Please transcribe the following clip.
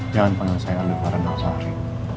jangan panggil saya aldeh farah nazari